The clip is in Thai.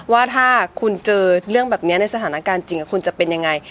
ว่าถ้าคุณเจอเรื่องแบบนี้ในสถานการณ์จริงคุณจะเป็นยังไง